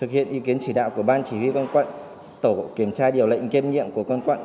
thực hiện ý kiến chỉ đạo của ban chỉ huy quân quận tổ kiểm tra điều lệnh kiêm nhiệm của công an quận